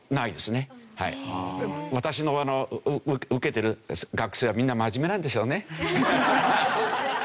私の受けてる学生はみんな真面目なんでしょうね。